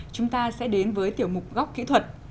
chúng ta sẽ đến với tiểu mục góc kỹ thuật